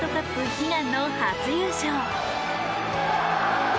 悲願の初優勝。